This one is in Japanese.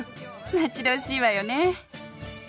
待ち遠しいわよね。